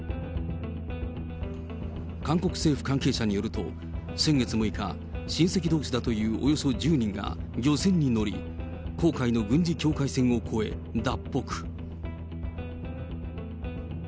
韓国政府関係者によると、先月６日、親戚どうしだというおよそ１０人が、漁船に乗り黄海の軍事境界線を越え脱北。